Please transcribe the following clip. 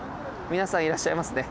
皆さんいらっしゃいますね。